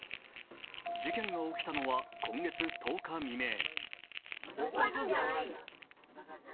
事件が起きたのは今月１０日未明。